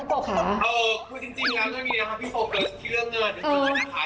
พี่โฟกเติร์ชที่เรื่องงานน้ำตักเบื้องนะคะ